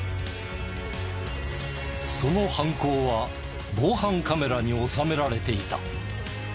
その犯行は防犯カメラに収められていた。